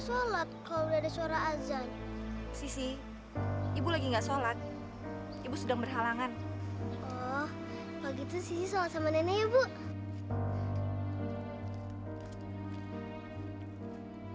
oh begitu sisi sholat sama nenek ya bu